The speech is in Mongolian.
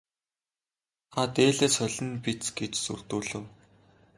Та дээлээ солино биз гэж сүрдүүлэв.